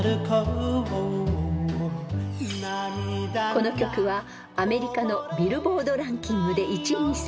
［この曲はアメリカのビルボードランキングで１位に選出］